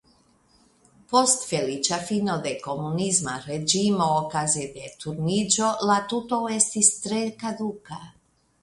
Post feliĉa fino de komunisma reĝimo okaze de Turniĝo la tuto estis tre kaduka.